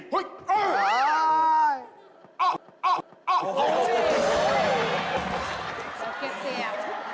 เก่งเก่ง